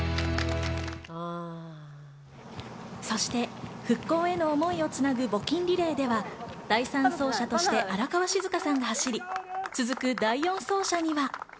そして復興への思いをつなぐ募金リレーでは、第３走者として荒川静香さんが走り続く第４走者には。